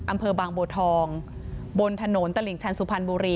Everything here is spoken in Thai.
อำเภอบางบัวทองบนถนนตลิ่งชันสุพรรณบุรี